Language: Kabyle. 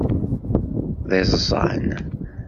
D iẓẓan.